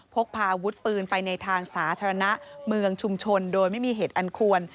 พกพาอาวุธปืนไปในทางสาธารณะเมืองชุมชนโดยไม่มีเหตุอันควร